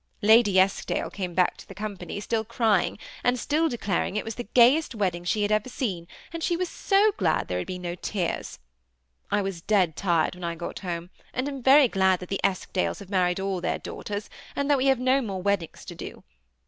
Lady Eskdale came back to the company, still crying, and still declaring it was the gayest wedding she had ever seen, and that she was so glad there had been no tears. I was dead tired when we got home, and am very glad that the Eskdales have married all their daughters, and that we have no more, weddings to do.